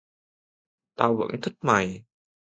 tao vẫn thích mày